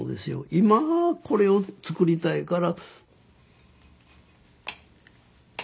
今これを作りたいから。